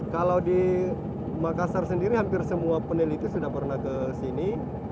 kalau di makassar sendiri hampir semua peneliti sudah pernah ke sini